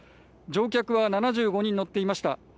乗客は７５人乗っていました。